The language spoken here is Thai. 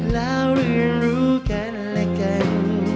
แล้วเรียนรู้กันและกัน